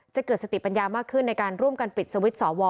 เกิดสติปัญญามากขึ้นในการร่วมกันปิดสวิตช์สว